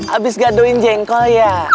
habis gadohin jengkol ya